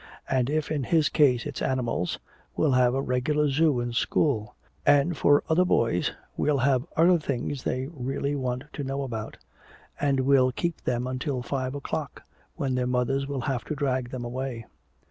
And if in his case it's animals, we'll have a regular zoo in school. And for other boys we'll have other things they really want to know about. And we'll keep them until five o'clock when their mothers will have to drag them away."